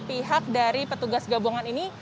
pihak dari petugas gabungan ini